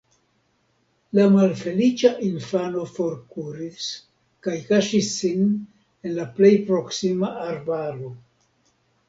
La malfeliĉa infano forkuris kaj kaŝis sin en la plej proksima arbaro.